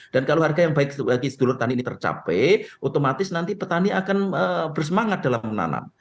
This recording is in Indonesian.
dan kalau harga yang baik bagi sedulur tani ini tercapai otomatis nanti petani akan bersemangat dalam menanam